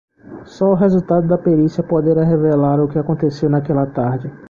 Só o resultado da perícia poderá revelar o que aconteceu naquela tarde